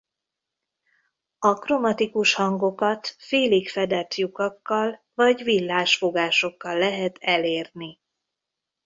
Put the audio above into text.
A kromatikus hangokat félig fedett lyukakkal vagy villás fogásokkal lehet elérni.